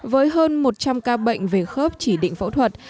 với hơn một trăm linh ca bệnh về khớp chỉ định phẫu thuật